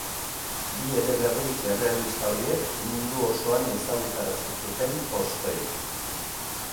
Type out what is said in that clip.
Bi eleberri errealista horiek mundu osoan ezagutarazi zuten Tolstoi.